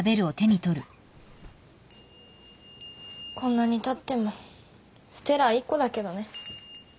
こんなにたっても星１個だけどね。